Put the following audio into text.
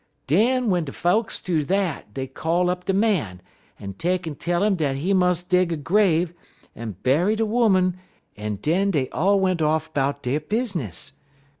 Den w'en de folks do dat dey call up de Man en take'n tell 'im dat he mus' dig a grave en bury de 'Oman, en den dey all went off 'bout der bizness.